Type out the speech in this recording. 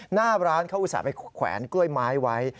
หน้าร้านเขาอุตส่าห์ไปแขวนกล้วยไม้ไว้